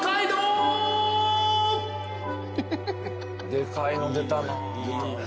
でかいの出たな。